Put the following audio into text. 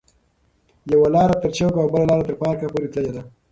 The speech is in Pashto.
یوه لار تر چوک او بله تر پارک پورې تللې ده.